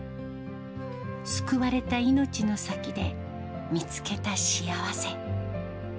救われた命の先で見つけた幸せ。